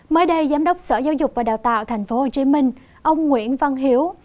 mới đây giám đốc sở giáo dục và đào tạo tp hcm ông nguyễn văn hiếu